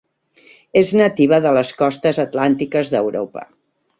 És nativa de les costes atlàntiques d'Europa.